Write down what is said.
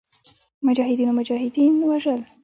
مجاهدینو مجاهدین وژل.